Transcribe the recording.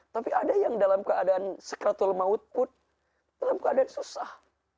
tapi ada yang dalam keadaan sekatul maut pun dalam keadaan susah